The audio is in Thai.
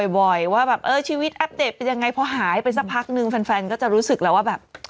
บ่อยว่าแบบเออชีวิตอัปเดตเป็นยังไงพอหายไปสักพักนึงแฟนก็จะรู้สึกแล้วว่าแบบ